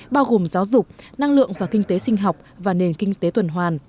bao gồm giáo dục năng lượng và kinh tế sinh học và nền kinh tế tuần hoàn